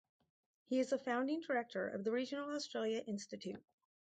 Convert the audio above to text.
He is a Founding Director of the Regional Australia Institute.